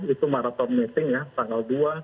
itu maraton meeting ya tanggal dua